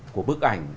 của bức ảnh